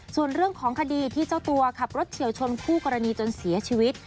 ส่วนเรื่องของคดีที่เจ้าตัวขับรถเฉียวชนคู่กรณีจนเสียชีวิต